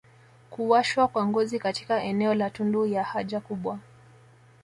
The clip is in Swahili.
kuwashwa kwa ngozi katika eneo la tundu ya haja kubwa